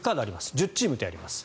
１０チームとやります。